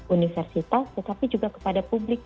universitas tetapi juga kepada publik